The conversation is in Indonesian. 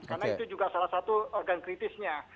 karena itu juga salah satu organ kritisnya